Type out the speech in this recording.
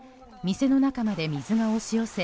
店の中まで水が押し寄せ